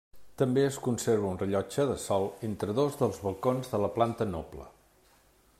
També es conserva un rellotge de sol entre dos dels balcons de la planta noble.